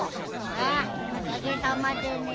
ああおかげさまでね。